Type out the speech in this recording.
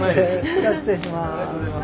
じゃあ失礼します。